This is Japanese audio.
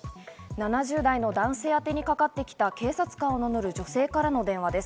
７０代の男性宛てにかかってきた警察官を名乗る女性からの電話です。